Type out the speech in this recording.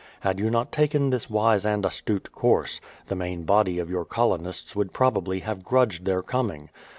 Had you not taken this wise and astute course, the main body of your colonists would probably have grudged their coming.